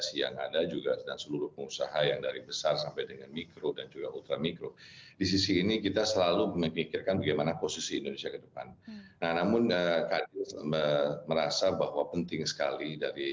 sangat kritikal sekali